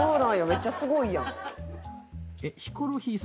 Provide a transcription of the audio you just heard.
めっちゃすごいやん。